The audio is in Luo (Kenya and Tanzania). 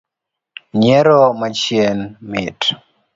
Nyiero machien mit